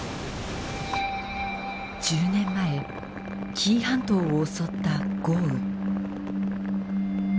１０年前紀伊半島を襲った豪雨。